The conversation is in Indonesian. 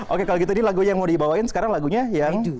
oke kalau gitu ini lagunya yang mau dibawain sekarang lagunya yang